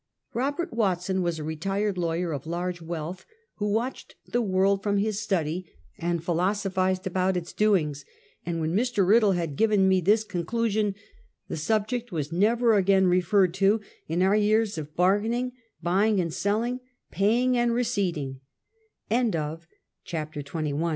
Robert Watson was a retired lawyer of lari;;e wealth, who watched the world from his study, and philoso phized about its doings; and when Mr. Riddle had given me this conclusion, the subject was never again referred to in our years of bargaining, buying and selling, paying and receipting. 1